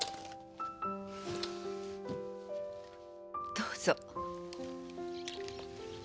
どうぞ。